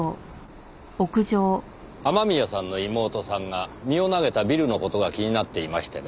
雨宮さんの妹さんが身を投げたビルの事が気になっていましてね。